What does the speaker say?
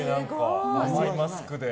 甘いマスクで。